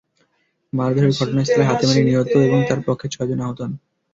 মারধরে ঘটনাস্থলেই হাতেম আলী নিহত এবং তাঁর পক্ষের ছয়জন আহত হন।